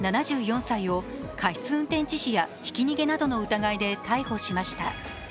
７４歳を過失運転致死やひき逃げなどの疑いで逮捕しました。